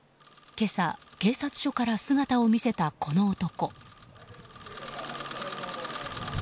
今朝、警察署から姿を見せたこの男。